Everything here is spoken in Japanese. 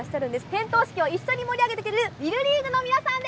点灯式を一緒に盛り上げてくれるリルリーグの皆さん